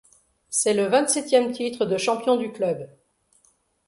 C’est le vingt-septième titre de champion du club.